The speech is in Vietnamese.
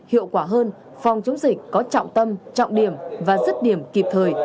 hiệu quả hơn phòng chống dịch có trọng tâm trọng điểm và dứt điểm kịp thời